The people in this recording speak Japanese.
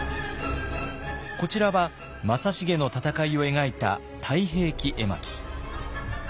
こちらは正成の戦いを描いた「太平記絵巻」。